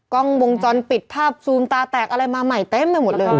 กล้องวงจรปิดภาพซูมตาแตกอะไรมาใหม่เต็มไปหมดเลย